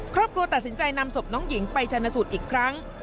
ครอบครัวตัดสินใจนำศพน้องหญิงไปชนะสูตรอีกครั้ง